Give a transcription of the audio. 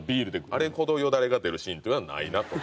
あれほどよだれが出るシーンっていうのはないなと。